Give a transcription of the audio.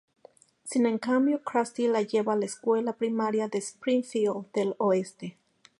Sin embargo, Krusty la lleva a la Escuela Primaria de Springfield del Oeste.